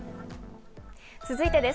続いてです。